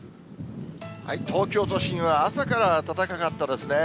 東京都心は朝から暖かかったですね。